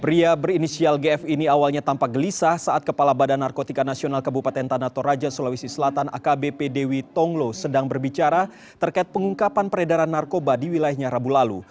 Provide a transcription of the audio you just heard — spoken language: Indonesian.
pria berinisial gf ini awalnya tampak gelisah saat kepala badan narkotika nasional kabupaten tanah toraja sulawesi selatan akbp dewi tonglo sedang berbicara terkait pengungkapan peredaran narkoba di wilayahnya rabu lalu